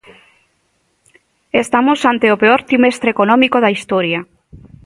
Estamos ante o peor trimestre económico da historia.